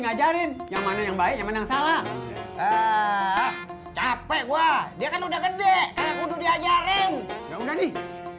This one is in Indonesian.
ngajarin yang mana yang baik yang mana yang salah capek wah dia kan udah gede udah diajarin udah udah nih